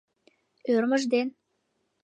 Ӧрмыж ден